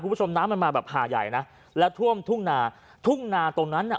คุณผู้ชมน้ำมันมาแบบหาใหญ่นะแล้วท่วมทุ่งนาทุ่งนาตรงนั้นน่ะ